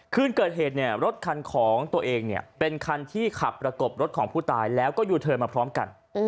ขึ้นเกิดเหตุรถคันของตัวเองเป็นคันที่ขับระกบรถของผู้ตายแล้วก็อยู่เทินมาพร้อมกัน